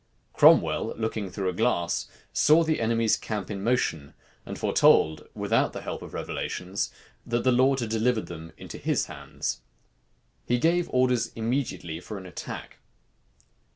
Cromwell, looking through a glass, saw the enemy's camp in motion; and foretold, without the help of revelations, that the Lord had delivered them into his hands. He gave orders immediately for an attack.